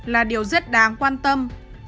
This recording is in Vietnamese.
là điều rất đáng quan tâm